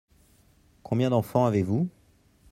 Combien d’enfants avez-vous ?